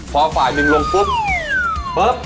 พอฝ่ายหนึ่งลงปุ๊บปุ๊บ